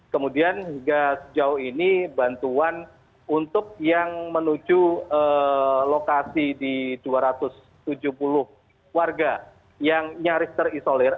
kemudian hingga sejauh ini bantuan untuk yang menuju lokasi di dua ratus tujuh puluh warga yang nyaris terisolir